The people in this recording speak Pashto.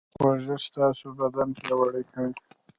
ورزش ستاسو بدن پياوړی کوي.